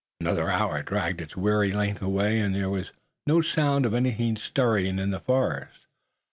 Another hour dragged its weary length away, and there was no sound of anything stirring in the forest.